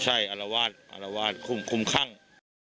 ใช่อรวาดอรวาดคุ้มคั่ง